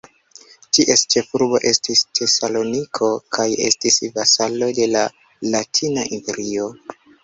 Ties ĉefurbo estis Tesaloniko kaj estis vasalo de la Latina imperio.